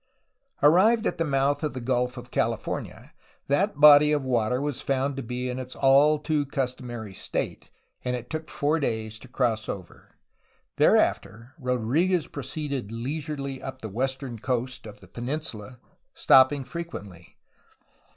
Arrived at the mouth of the Gulf of Cahfomia, that body of water was found to be in its all too customary state, and it took four days to cross over. Thereafter Rodriguez pro ceeded leisurely up the western coast of the peninsula, stopping frequently.